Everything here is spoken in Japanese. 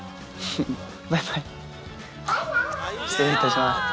失礼いたします